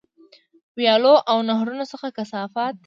ویالو او نهرونو څخه کثافات.